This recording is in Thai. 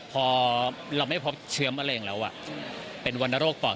พอเราไม่พบเชื้อมะเร็งแล้วเป็นวรรณโรคปอด